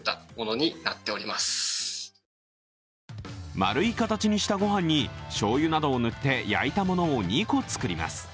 丸い形にした御飯にしょうゆなどを塗って焼いたものを２個作ります。